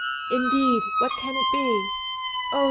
"Indeed! what can it be?" "Oh!